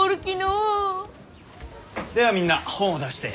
ではみんな本を出して。